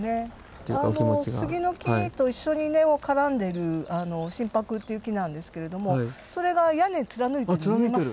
杉の木と一緒に根を絡んでる真柏っていう木なんですけれどもそれが屋根貫いてるの見えます？